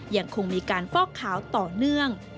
ยังคงมีการฟอกขาวต่อเนื่อง